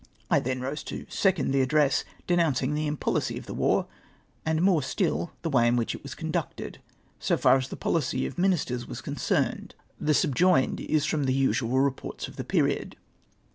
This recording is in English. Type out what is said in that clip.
I then rose to second the address, denouncing the impolicy of the war, and more still the way in which it was conducted, so far as the policy of ministers was con cerned. The subjoined is from the usual reports of the period.